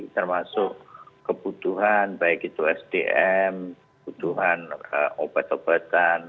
termasuk kebutuhan baik itu sdm kebutuhan obat obatan